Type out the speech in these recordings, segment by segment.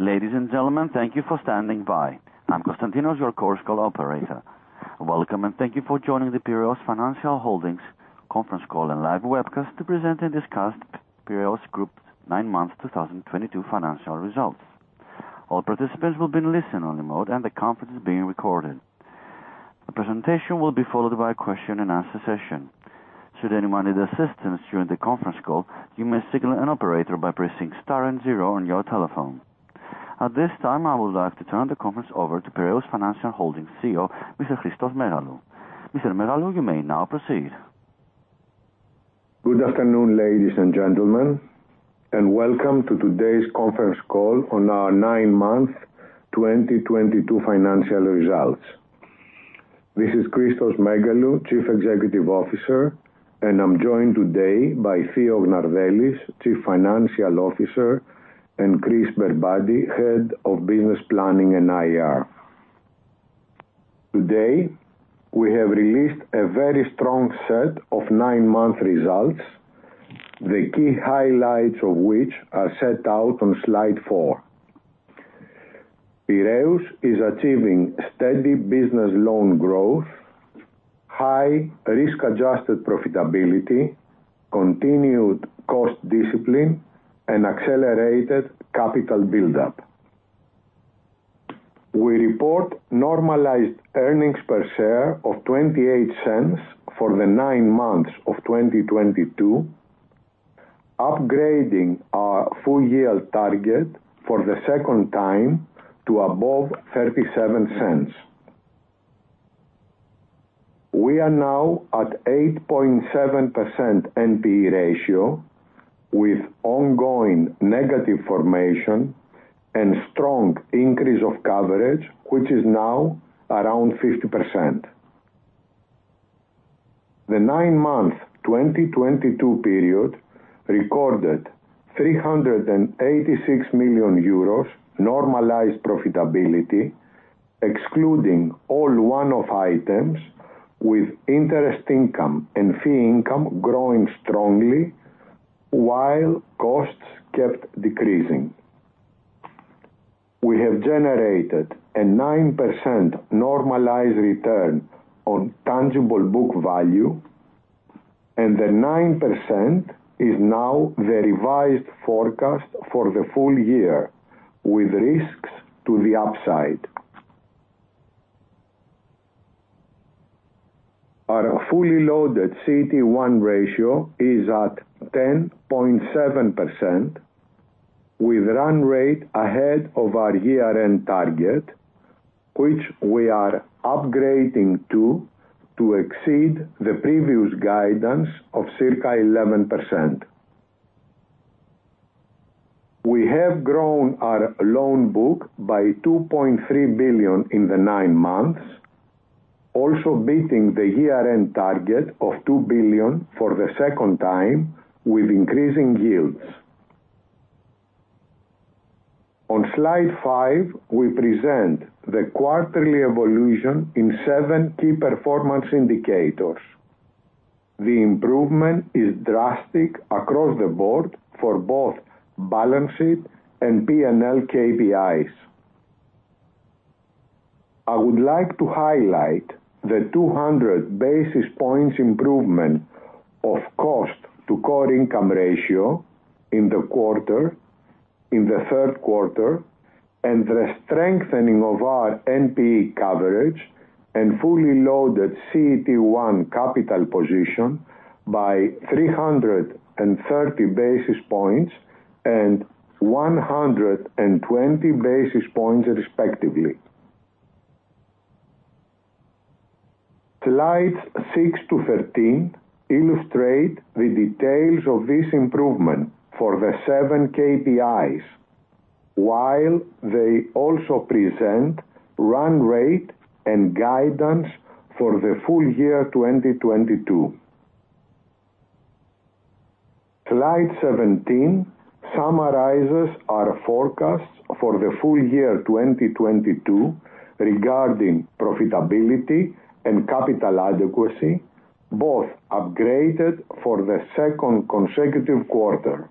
Ladies and gentlemen, thank you for standing by. I'm Constantinos, your chorus call operator. Welcome, and thank you for joining the Piraeus Financial Holdings conference call and live webcast to present and discuss Piraeus Group's nine months 2022 financial results. All participants will be in listen-only mode, and the conference is being recorded. The presentation will be followed by a question and answer session. Should anyone need assistance during the conference call, you may signal an operator by pressing star and zero on your telephone. At this time, I would like to turn the conference over to Piraeus Financial Holdings CEO, Mr. Christos Megalou. Mr. Megalou, you may now proceed. Good afternoon, ladies and gentlemen, and welcome to today's conference call on our nine-month 2022 financial results. This is Christos Megalou, Chief Executive Officer, and I'm joined today by Theo Gnardellis, Chief Financial Officer, and Chryss Berbati, Head of Business Planning and IR. Today, we have released a very strong set of nine-month results, the key highlights of which are set out on slide 4. Piraeus is achieving steady business loan growth, high risk-adjusted profitability, continued cost discipline, and accelerated capital buildup. We report normalized earnings per share of 0.28 for the nine months of 2022, upgrading our full-year target for the second time to above 0.37. We are now at 8.7% NPE ratio with ongoing negative formation and strong increase of coverage, which is now around 50%. The nine-month 2022 period recorded 386 million euros normalized profitability, excluding all one-off items, with interest income and fee income growing strongly while costs kept decreasing. We have generated a 9% normalized return on tangible book value, and the 9% is now the revised forecast for the full year, with risks to the upside. Our fully loaded CET1 ratio is at 10.7%, with run rate ahead of our year-end target, which we are upgrading to exceed the previous guidance of circa 11%. We have grown our loan book by 2.3 billion in the nine months, also beating the year-end target of EUR 2 billion for the second time with increasing yields. On slide 5, we present the quarterly evolution in seven key performance indicators. The improvement is drastic across the board for both balance sheet and P&L KPIs. I would like to highlight the 200 basis points improvement of cost to core income ratio in the quarter, in the third quarter, and the strengthening of our NPE coverage and fully loaded CET1 capital position by 330 basis points and 120 basis points respectively. Slides 6-15 illustrate the details of this improvement for the seven KPIs, while they also present run rate and guidance for the full year 2022. Slide 17 summarizes our forecasts for the full year 2022 regarding profitability and capital adequacy, both upgraded for the second consecutive quarter.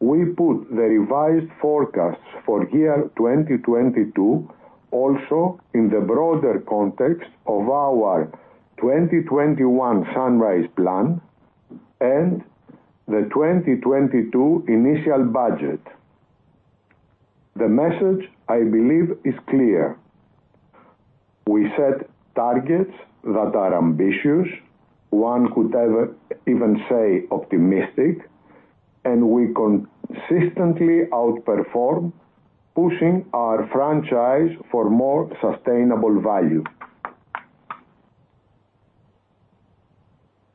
We put the revised forecasts for year 2022 also in the broader context of our 2021 Sunrise plan and the 2022 initial budget. The message, I believe, is clear. We set targets that are ambitious. One could ever even say optimistic, and we consistently outperform, pushing our franchise for more sustainable value.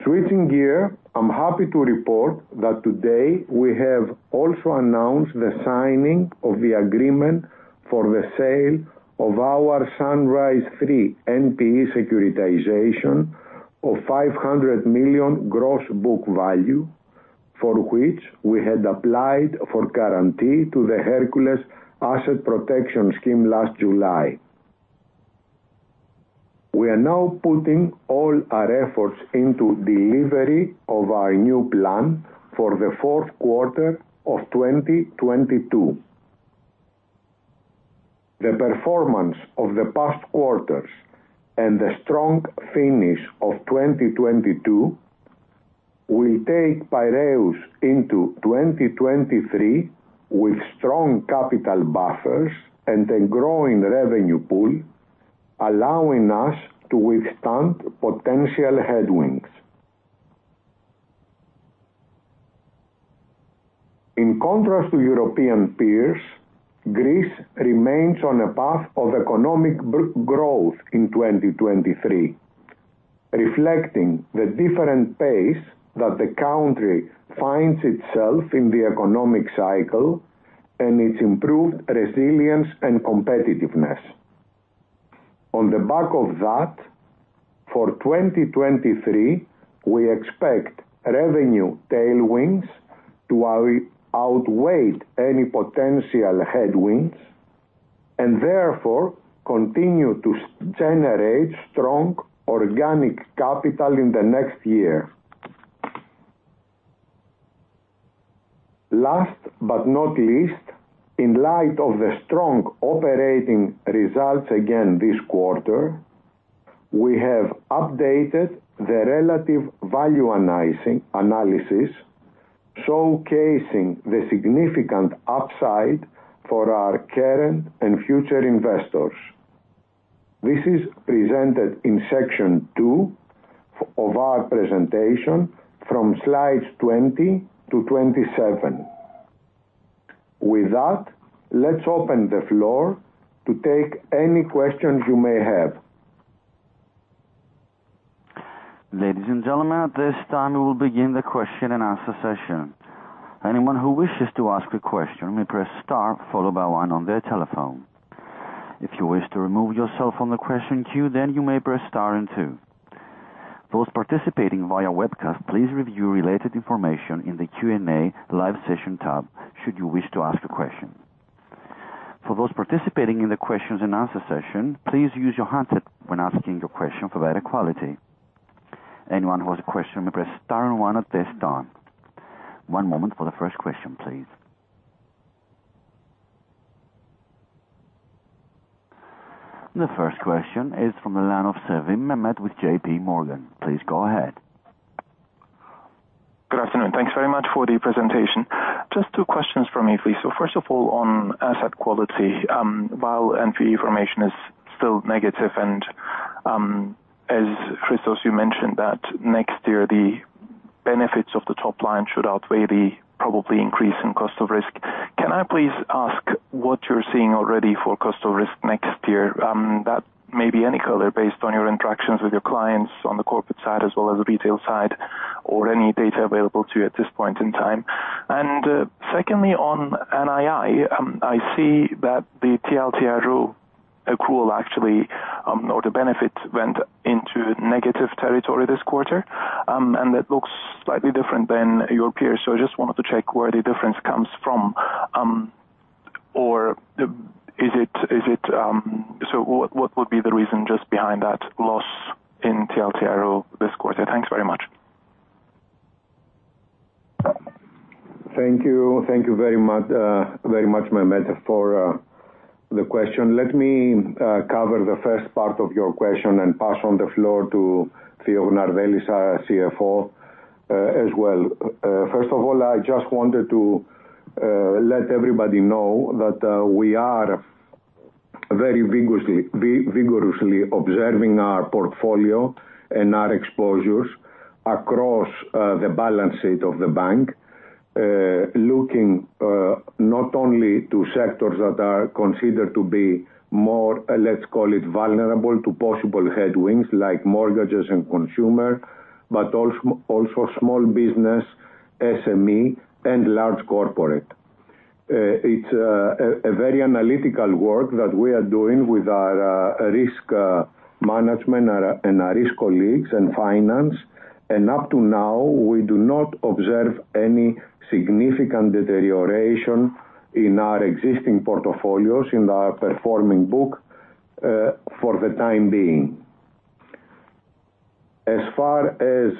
Switching gear, I'm happy to report that today we have also announced the signing of the agreement for the sale of our Sunrise 3 NPE securitization of 500 million gross book value, for which we had applied for guarantee to the Hercules Asset Protection Scheme last July. We are now putting all our efforts into delivery of our new plan for the fourth quarter of 2022. The performance of the past quarters and the strong finish of 2022 will take Piraeus into 2023 with strong capital buffers and a growing revenue pool, allowing us to withstand potential headwinds. In contrast to European peers, Greece remains on a path of economic growth in 2023, reflecting the different pace that the country finds itself in the economic cycle and its improved resilience and competitiveness. On the back of that, for 2023, we expect revenue tailwinds to outweigh any potential headwinds and therefore continue to generate strong organic capital in the next year. Last but not least, in light of the strong operating results again this quarter, we have updated the relative value analysis showcasing the significant upside for our current and future investors. This is presented in section 2 of our presentation from slides 20-27. With that, let's open the floor to take any questions you may have. Ladies and gentlemen, at this time, we will begin the question and answer session. Anyone who wishes to ask a question may press star followed by one on their telephone. If you wish to remove yourself from the question queue, then you may press star and two. Those participating via webcast, please review related information in the Q&A live session tab should you wish to ask a question. For those participating in the questions and answer session, please use your handset when asking your question for better quality. Anyone who has a question may press star and one at this time. One moment for the first question, please. The first question is from the line of Sevim, Mehmet with J.P. Morgan. Please go ahead. Good afternoon. Thanks very much for the presentation. Just two questions from me, please. First of all, on asset quality, while NPE formation is still negative and, as Christos, you mentioned that next year the benefits of the top line should outweigh the probable increase in cost of risk. Can I please ask what you're seeing already for cost of risk next year? That maybe any color based on your interactions with your clients on the corporate side as well as the retail side or any data available to you at this point in time. Secondly, on NII, I see that the TLTRO accrual or the benefits went into negative territory this quarter. It looks slightly different than your peers. I just wanted to check where the difference comes from, or is it? What would be the reason just behind that loss in TLTRO this quarter? Thanks very much. Thank you. Thank you very much, very much, Mehmet, for the question. Let me cover the first part of your question and pass on the floor to Theo Gnardellis, our CFO, as well. First of all, I just wanted to let everybody know that we are very vigorously observing our portfolio and our exposures across the balance sheet of the bank. Looking not only to sectors that are considered to be more, let's call it, vulnerable to possible headwinds, like mortgages and consumer, but also small business, SME and large corporate. It's a very analytical work that we are doing with our risk management and our risk colleagues in finance. Up to now, we do not observe any significant deterioration in our existing portfolios, in our performing book, for the time being. As far as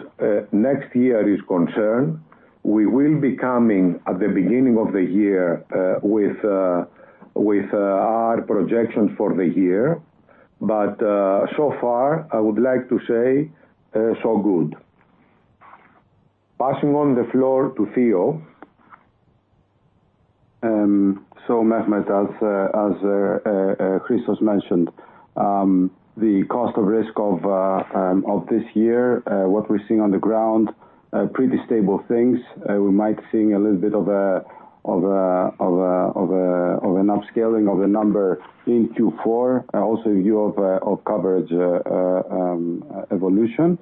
next year is concerned, we will be coming at the beginning of the year with our projections for the year. So far, I would like to say so good. Passing the floor to Theo. Mehmet, as Christos mentioned, the cost of risk of this year, what we're seeing on the ground, pretty stable things. We might seeing a little bit of an upscaling of the number in Q4, also in view of coverage evolution.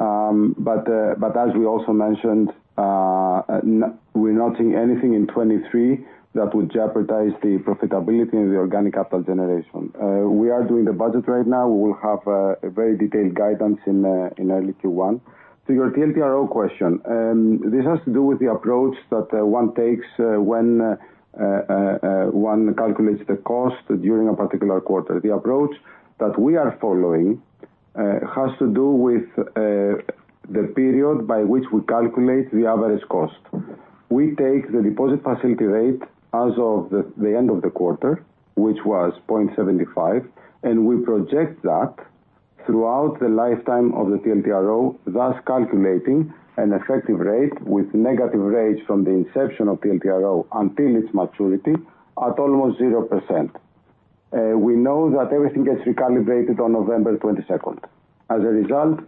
As we also mentioned, we're not seeing anything in 2023 that would jeopardize the profitability and the organic capital generation. We are doing the budget right now. We will have a very detailed guidance in early Q1. To your TLTRO question, this has to do with the approach that one takes when one calculates the cost during a particular quarter. The approach that we are following has to do with the period by which we calculate the average cost. We take the deposit facility rate as of the end of the quarter, which was 0.75, and we project that throughout the lifetime of the TLTRO, thus calculating an effective rate with negative rates from the inception of TLTRO until its maturity at almost 0%. We know that everything gets recalibrated on November 22nd. As a result,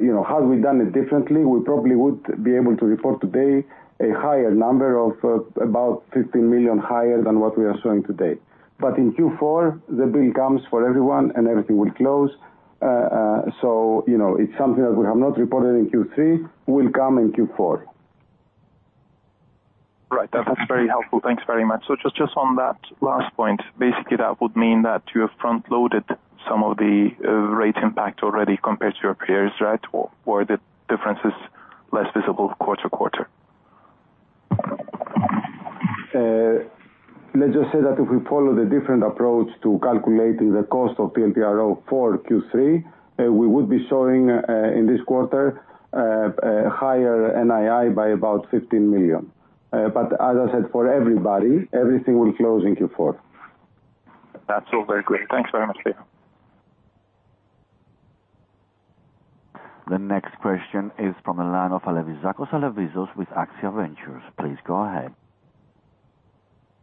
you know, had we done it differently, we probably would be able to report today a higher number of about 15 million higher than what we are showing today. In Q4, the bill comes for everyone and everything will close. You know, it's something that we have not reported in Q3, will come in Q4. Right. That's very helpful. Thanks very much. Just on that last point, basically that would mean that you have front-loaded some of the rate impact already compared to your peers, right? Or the difference is less visible quarter to quarter? Let's just say that if we follow the different approach to calculating the cost of TLTRO for Q3, we would be showing in this quarter a higher NII by about 15 million. As I said, for everybody, everything will close in Q4. That's all very clear. Thanks very much, Theo. The next question is from the line of Alevizakos, Alevizos with AXIA Ventures. Please go ahead.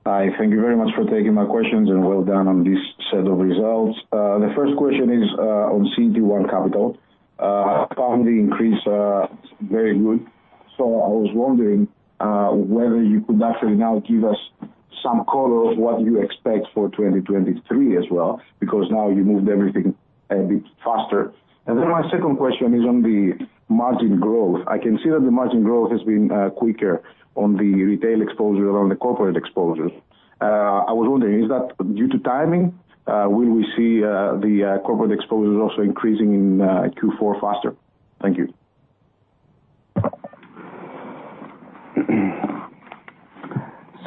Hi. Thank you very much for taking my questions, and well done on this set of results. The first question is on CET1 capital. Current increase very good. I was wondering whether you could actually now give us some color of what you expect for 2023 as well, because now you moved everything a bit faster. My second question is on the margin growth. I can see that the margin growth has been quicker on the retail exposure than on the corporate exposure. I was wondering, is that due to timing? Will we see the corporate exposure also increasing in Q4 faster? Thank you.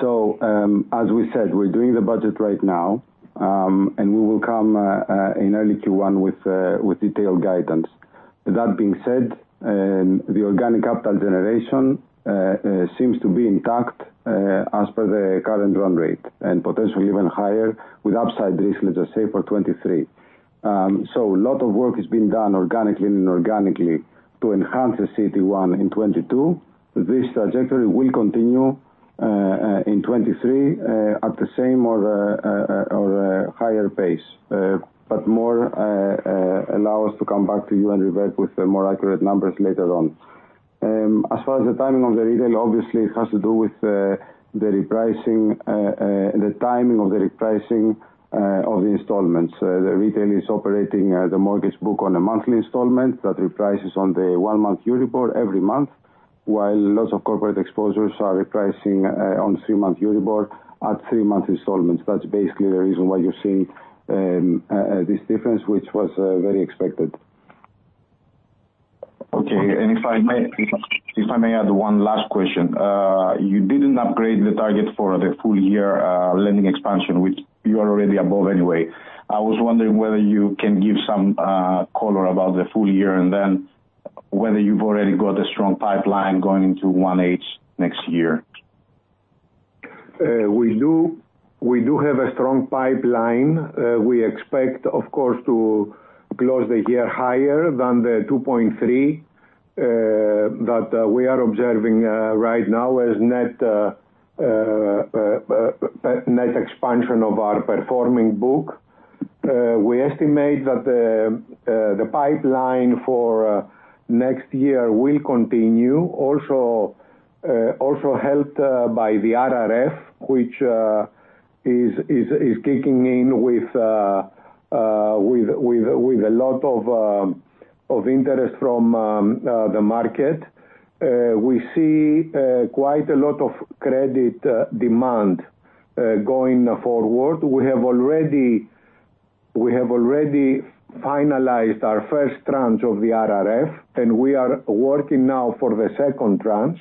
As we said, we're doing the budget right now, and we will come in early Q1 with detailed guidance. That being said, the organic capital generation seems to be intact as per the current run rate, and potentially even higher with upside risk, let's just say, for 2023. A lot of work has been done organically and inorganically to enhance the CET1 in 2022. This trajectory will continue in 2023 at the same or a higher pace. Allow us to come back to you and revert with more accurate numbers later on. As far as the timing of the retail, obviously it has to do with the timing of the repricing of the installments. The retail is operating the mortgage book on a monthly installment that reprices on the one-month Euribor every month, while lots of corporate exposures are repricing on three-month Euribor at three-month installments. That's basically the reason why you're seeing this difference, which was very expected. If I may add one last question. You didn't upgrade the target for the full year, lending expansion, which you are already above anyway. I was wondering whether you can give some color about the full year and then whether you've already got a strong pipeline going into 1H next year. We do have a strong pipeline. We expect, of course, to close the year higher than the 2.3% that we are observing right now as net expansion of our performing book. We estimate that the pipeline for next year will continue, also helped by the RRF, which is kicking in with a lot of interest from the market. We see quite a lot of credit demand going forward. We have already finalized our first tranche of the RRF, and we are working now for the second tranche,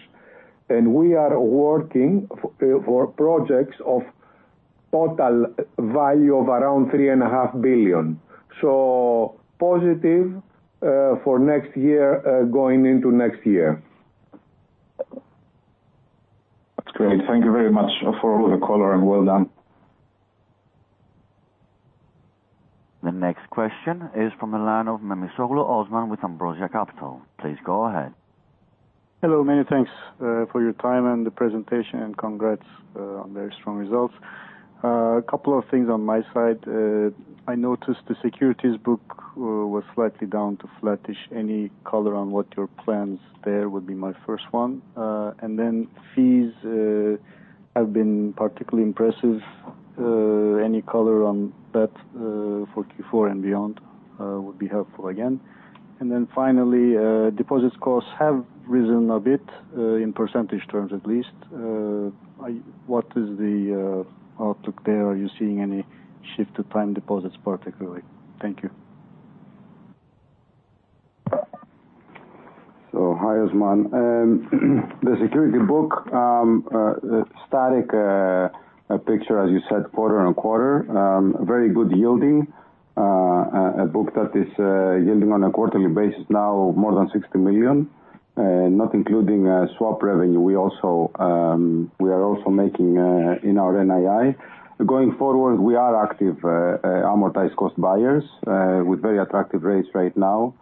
and we are working for projects of total value of around 3.5 billion. Positive, for next year, going into next year. That's great. Thank you very much for all the color, and well done. The next question is from the line of Memisoglu, Osman with Ambrosia Capital. Please go ahead. Hello. Many thanks for your time and the presentation, and congrats on very strong results. A couple of things on my side. I noticed the securities book was slightly down to flattish. Any color on what your plans there would be my first one. Fees have been particularly impressive. Any color on that for Q4 and beyond would be helpful again. Deposits costs have risen a bit in percentage terms at least. What is the outlook there? Are you seeing any shift to time deposits particularly? Thank you. Hi, Osman. The securities book, static picture, as you said, quarter-on-quarter, very good yielding. A book that is yielding on a quarterly basis now more than 60 million, not including swap revenue. We are also making in our NII. Going forward, we are active amortized cost buyers with very attractive rates right now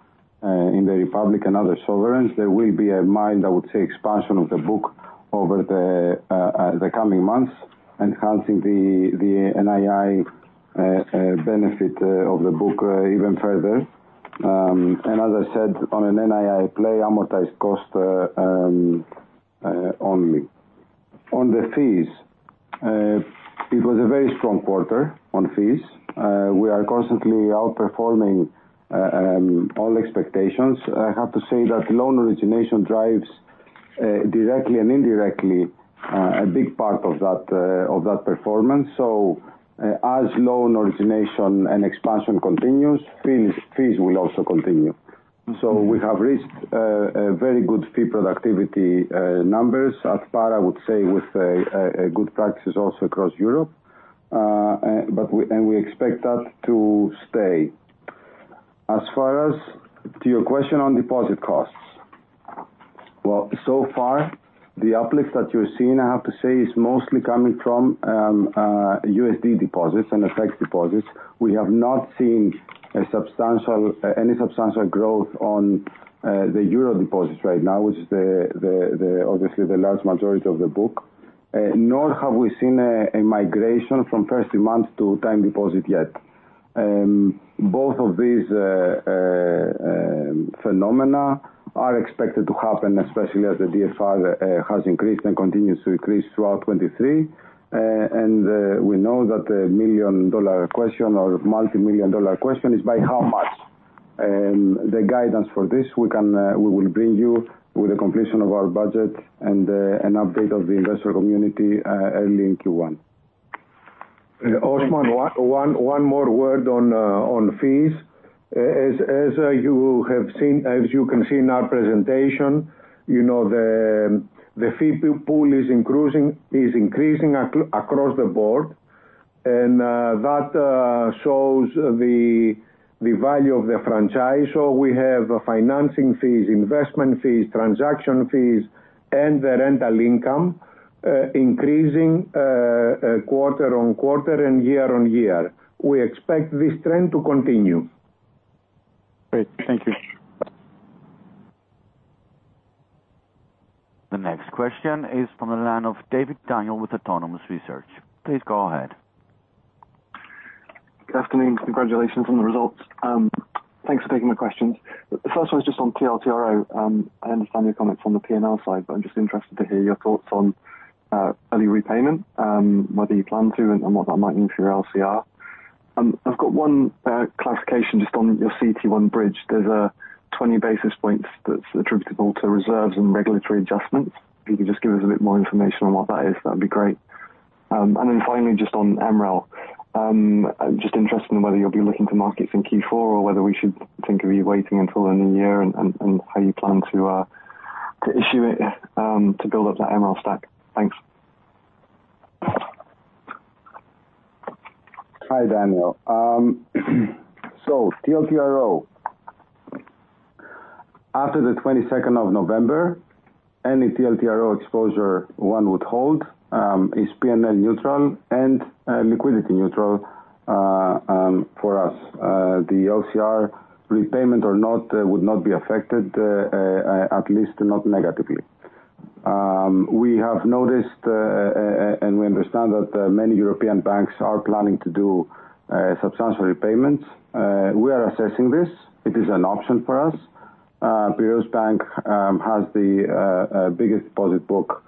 in the Republic and other sovereigns. There will be a mild, I would say, expansion of the book over the coming months, enhancing the NII benefit of the book even further. And as I said, on an NII play amortized cost only. On the fees, it was a very strong quarter on fees. We are constantly outperforming all expectations. I have to say that loan origination drives directly and indirectly a big part of that performance. As loan origination and expansion continues, fees will also continue. We have reached a very good fee productivity numbers. At par, I would say, with a good practice also across Europe. But we expect that to stay. As far as your question on deposit costs. Well, so far, the uplift that you're seeing, I have to say, is mostly coming from a USD deposits and effects deposits. We have not seen any substantial growth on the euro deposits right now, which is obviously the large majority of the book. Nor have we seen a migration from first demand to time deposit yet. Both of these phenomena are expected to happen, especially as the DFR has increased and continues to increase throughout 2023. We know that the million-dollar question or multimillion-dollar question is by how much. The guidance for this, we will bring you with the completion of our budget and an update of the investor community early in Q1. Osman, one more word on fees. As you have seen, as you can see in our presentation, you know, the fee pool is increasing across the board, and that shows the value of the franchise. We have financing fees, investment fees, transaction fees, and the rental income increasing quarter-on-quarter and year-on-year. We expect this trend to continue. Great. Thank you. The next question is from the line of David, Daniel with Autonomous Research. Please go ahead. Good afternoon. Congratulations on the results. Thanks for taking the questions. The first one is just on TLTRO. I understand your comments on the P&L side, but I'm just interested to hear your thoughts on early repayment, whether you plan to and what that might mean for your LCR. I've got one classification just on your CET1 bridge. There's 20 basis points that's attributable to reserves and regulatory adjustments. If you could just give us a bit more information on what that is, that'd be great. Then finally, just on MREL. Just interested in whether you'll be looking to markets in Q4 or whether we should think of you waiting until the new year and how you plan to issue it to build up that MREL stack. Thanks. Hi, Daniel. TLTRO. After the 22nd of November, any TLTRO exposure one would hold is P&L neutral and liquidity neutral for us. The LCR repayment or not would not be affected, at least not negatively. We have noticed and we understand that many European banks are planning to do substantial repayments. We are assessing this. It is an option for us. Piraeus Bank has the biggest deposit book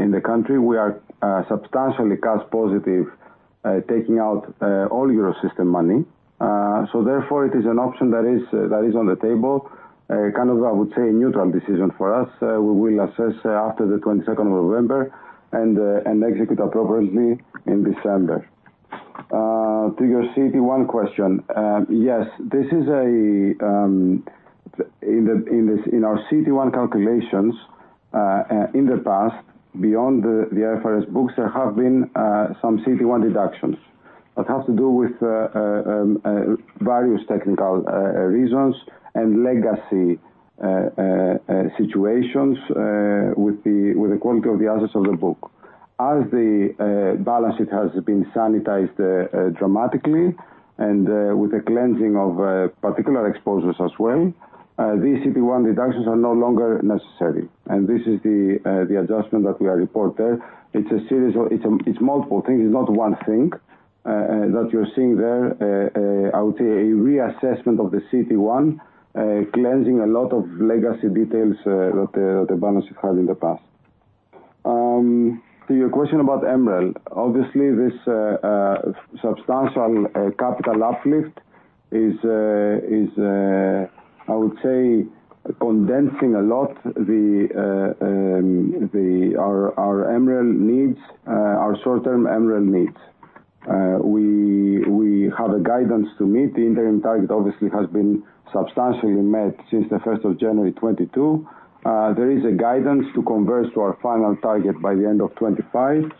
in the country. We are substantially cash positive, taking out all Eurosystem money. Therefore, it is an option that is on the table, kind of. I would say a neutral decision for us. We will assess after the 22nd of November and execute appropriately in December. To your CET1 question. Yes, this is in our CET1 calculations in the past, beyond the IFRS books, there have been some CET1 deductions. That has to do with various technical reasons and legacy situations with the quality of the assets of the book. As the balance it has been sanitized dramatically and with a cleansing of particular exposures as well, these CET1 deductions are no longer necessary. This is the adjustment that we are reporting there. It's multiple things. It's not one thing that you're seeing there. I would say a reassessment of the CET1, cleansing a lot of legacy details that the balance sheet had in the past. To your question about MREL. Obviously, this substantial capital uplift is, I would say, condensing a lot our MREL needs, our short-term MREL needs. We have a guidance to meet. The interim target obviously has been substantially met since the 1st of January 2022. There is a guidance to converge to our final target by the end of 2025.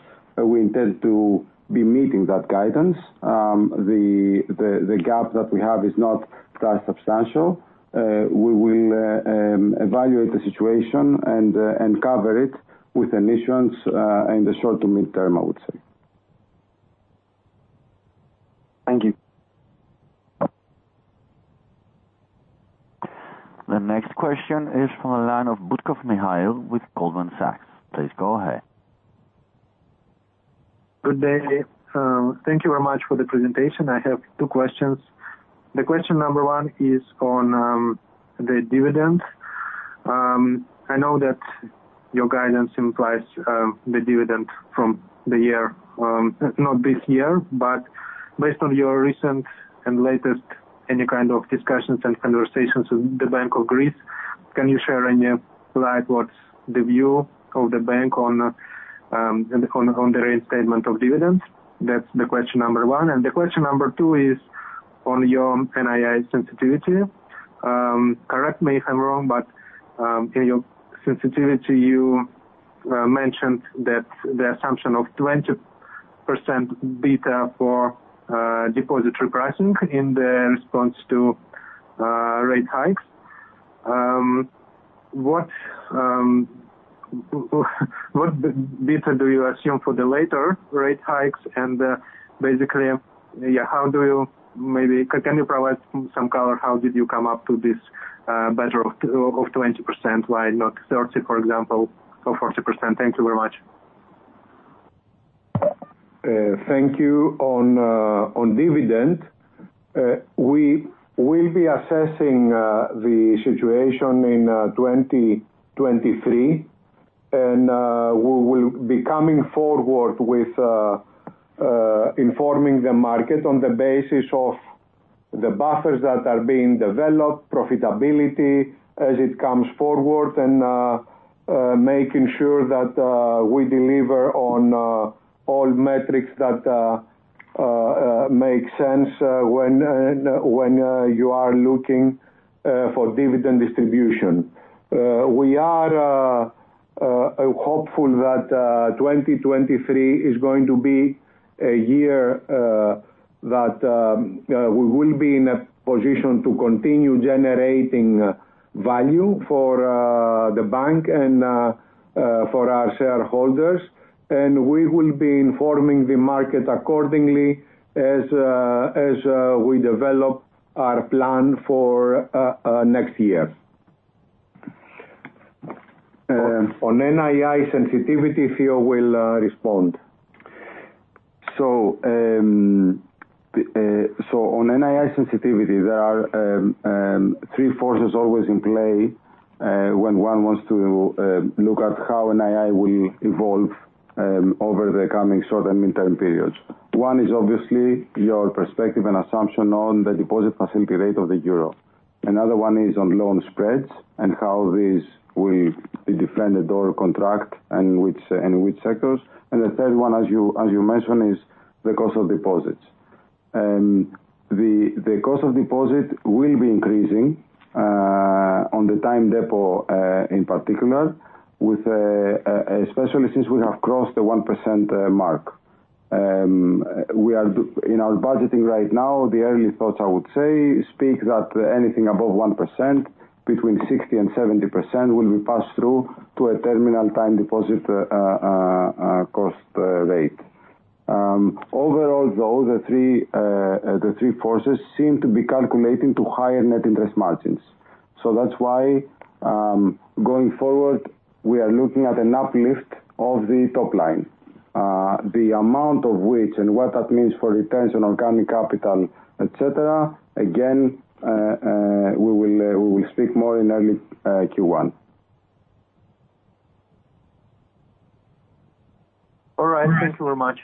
We intend to be meeting that guidance. The gap that we have is not that substantial. We will evaluate the situation and cover it with an issuance in the short to mid-term, I would say. Thank you. The next question is from the line of Butkov, Mikhail with Goldman Sachs. Please go ahead. Good day. Thank you very much for the presentation. I have two questions. The question number one is on the dividend. I know that your guidance implies the dividend from the year, not this year, but based on your recent and latest, any kind of discussions and conversations with the Bank of Greece, can you shed any light on what's the view of the bank on the reinstatement of dividends? That's the question number one. The question number two is on your NII sensitivity. Correct me if I'm wrong, but in your sensitivity you mentioned that the assumption of 20% beta for depository pricing in the response to rate hikes. What beta do you assume for the later rate hikes and basically, yeah, how do you maybe... Can you provide some color, how did you come up to this beta of 20%? Why not 30%, for example, or 40%? Thank you very much. Thank you. On dividend, we will be assessing the situation in 2023, and we will be coming forward with informing the market on the basis of the buffers that are being developed, profitability as it comes forward, and making sure that we deliver on all metrics that make sense when you are looking for dividend distribution. We are hopeful that 2023 is going to be a year that we will be in a position to continue generating value for the bank and for our shareholders, and we will be informing the market accordingly as we develop our plan for next year. On NII sensitivity, Theo will respond. On NII sensitivity, there are three forces always in play when one wants to look at how NII will evolve over the coming short and midterm periods. One is obviously your perspective and assumption on the deposit facility rate of the euro. Another one is on loan spreads and how these will either expand or contract and which sectors. The third one, as you mentioned, is the cost of deposits. The cost of deposits will be increasing on the time deposits in particular, especially since we have crossed the 1% mark. In our budgeting right now, the early thoughts I would say suggest that anything above 1%, between 60% and 70% will be passed through to a term deposit cost rate. Overall though, the three forces seem to be calculating to higher net interest margins. That's why, going forward, we are looking at an uplift of the top line. The amount of which and what that means for returns on organic capital, et cetera, again, we will speak more in early Q1. All right. Thank you very much.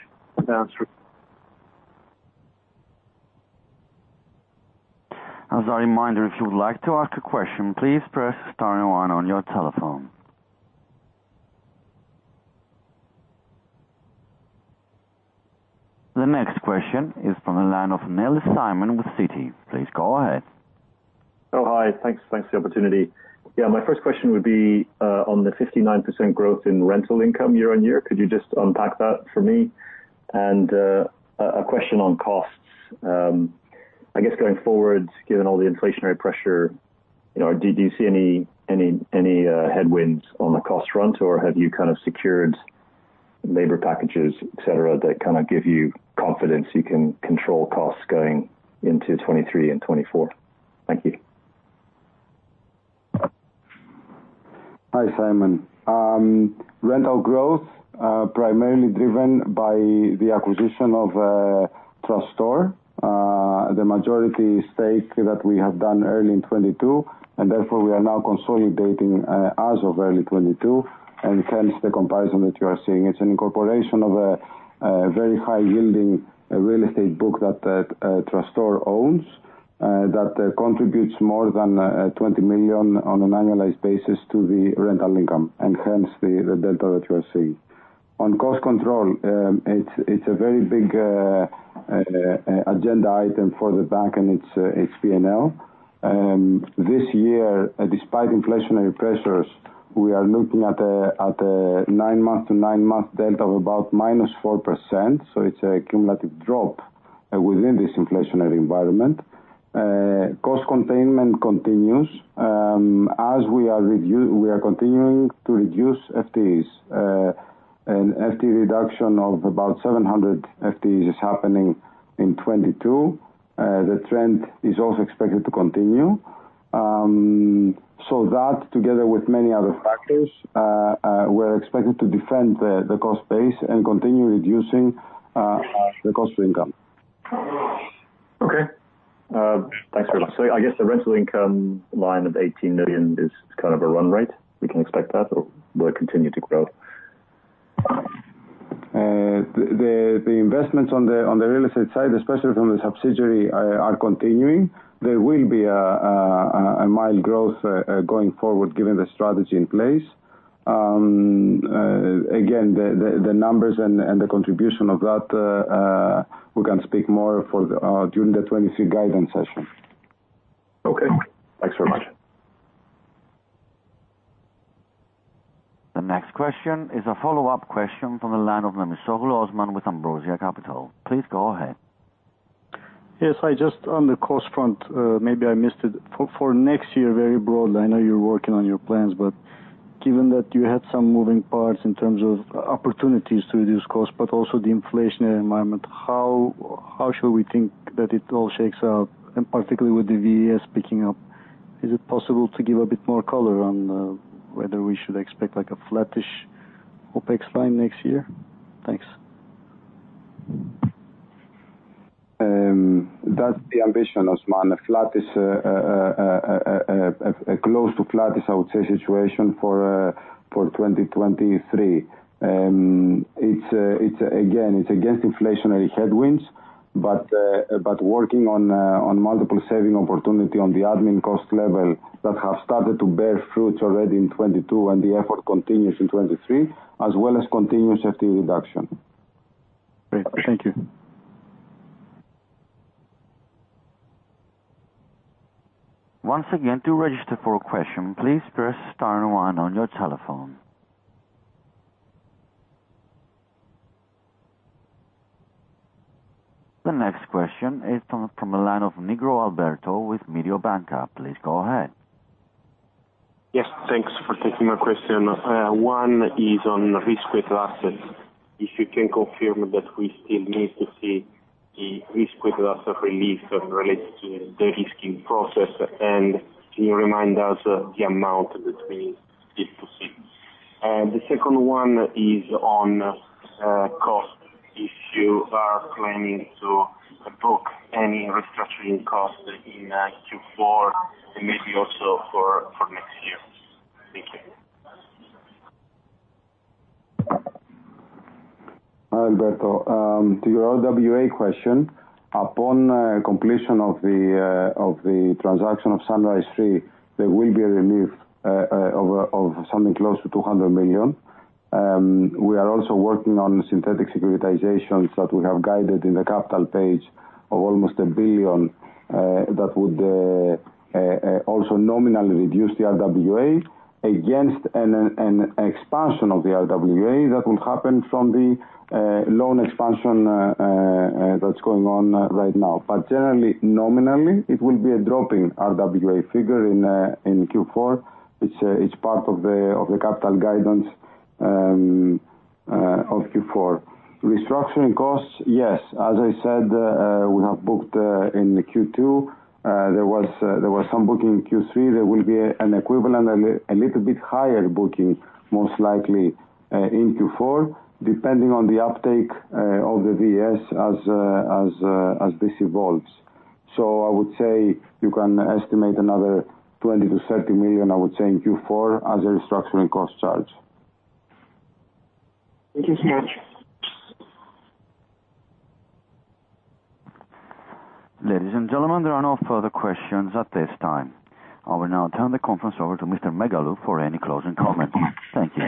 Yeah, that's true. As a reminder, if you would like to ask a question, please press star one on your telephone. The next question is from the line of Nellis, Simon with Citi. Please go ahead. Oh, hi. Thanks for the opportunity. Yeah, my first question would be on the 59% growth in rental income year-on-year. Could you just unpack that for me? A question on costs. I guess going forward, given all the inflationary pressure, you know, do you see any headwinds on the cost front, or have you kind of secured labor packages, et cetera, that kind of give you confidence you can control costs going into 2023 and 2024? Thank you. Hi, Simon. Rental growth primarily driven by the acquisition of Trastor, the majority stake that we have done early in 2022, and therefore we are now consolidating as of early 2022, and hence the comparison that you are seeing. It's an incorporation of a very high yielding real estate book that Trastor owns. That contributes more than 20 million on an annualized basis to the rental income, and hence the delta that you are seeing. On cost control, it's a very big agenda item for the bank and its P&L. This year, despite inflationary pressures, we are looking at a nine-month to nine-month delta of about -4%. It's a cumulative drop within this inflationary environment. Cost containment continues, as we are continuing to reduce FTEs. An FTE reduction of about 700 FTEs is happening in 2022. The trend is also expected to continue. So that, together with many other factors, we're expected to defend the cost base and continue reducing the cost to income. Okay. Thanks very much. I guess the rental income line of 18 million is kind of a run rate. We can expect that, or will it continue to grow? The investments on the real estate side, especially from the subsidiary, are continuing. There will be a mild growth going forward given the strategy in place. Again, the numbers and the contribution of that, we can speak more about during the 2023 guidance session. Okay. Thanks very much. The next question is a follow-up question from the line of Memisoglu, Osman with Ambrosia Capital. Please go ahead. Yes. Hi, just on the cost front, maybe I missed it. For next year, very broadly, I know you're working on your plans, but given that you had some moving parts in terms of opportunities to reduce costs, but also the inflationary environment, how should we think that it all shakes out? Particularly with the VES picking up, is it possible to give a bit more color on whether we should expect like a flattish OpEx line next year? Thanks. That's the ambition, Osman. A close to flattish, I would say, situation for 2023. It's again against inflationary headwinds, but working on multiple saving opportunity on the admin cost level that have started to bear fruits already in 2022 and the effort continues in 2023, as well as continuous FTE reduction. Great. Thank you. Once again, to register for a question, please press star one on your telephone. The next question is from the line of Nigro, Alberto with Mediobanca. Please go ahead. Yes, thanks for taking my question. One is on risk-weighted assets. If you can confirm that we still need to see the risk-weighted asset relief related to the de-risking process, and can you remind us the amount that we need to see? The second one is on cost. If you are planning to book any restructuring costs in Q4, and maybe also for next year. Thank you. Hi, Alberto. To your RWA question, upon completion of the transaction of Sunrise 3, there will be a relief of something close to 200 million. We are also working on synthetic securitizations that we have guided in the capital plan of almost 1 billion that would also nominally reduce the RWA against an expansion of the RWA that will happen from the loan expansion that's going on right now. Generally, nominally, it will be a drop in RWA figure in Q4. It's part of the capital guidance of Q4. Restructuring costs, yes. As I said, we have booked in the Q2. There was some booking in Q3. There will be an equivalent, a little bit higher booking, most likely, in Q4, depending on the uptake of the VS as this evolves. I would say you can estimate another 20-30 million, I would say, in Q4 as a restructuring cost charge. Thank you so much. Ladies and gentlemen, there are no further questions at this time. I will now turn the conference over to Mr. Megalou for any closing comments. Thank you.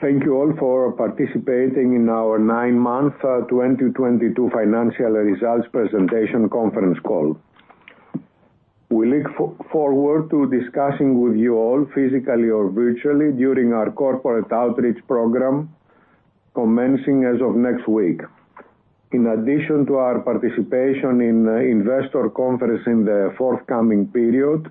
Thank you all for participating in our nine-month 2022 financial results presentation conference call. We look forward to discussing with you all physically or virtually during our corporate outreach program commencing as of next week. In addition to our participation in investor conferences in the forthcoming period,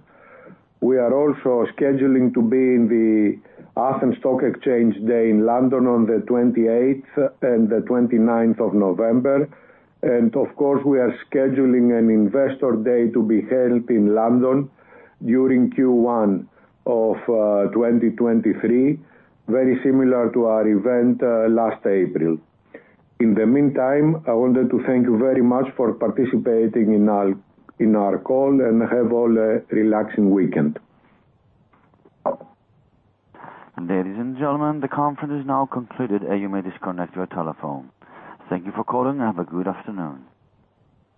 we are also scheduling to be in the Athens Stock Exchange day in London on the 28th and the 29th of November. Of course, we are scheduling an investor day to be held in London during Q1 of 2023, very similar to our event last April. In the meantime, I wanted to thank you very much for participating in our call, and have all a relaxing weekend. Ladies and gentlemen, the conference is now concluded, and you may disconnect your telephone. Thank you for calling, and have a good afternoon.